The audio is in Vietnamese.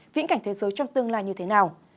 viễn cảnh thế giới trong tương lai như thế nào